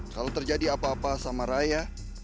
kalau terjadi apa apa sama raya